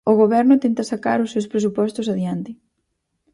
O Goberno tenta sacar os seus presupostos adiante.